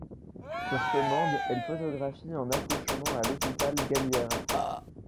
Sur commande, elle photographie un accouchement à l'hôpital Galliera.